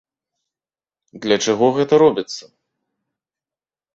Для чаго гэта робіцца?